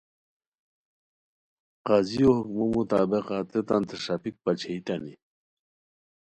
قاضیو حکمو مطابقہ تیتانتے ݰاپیک پاچیئتانی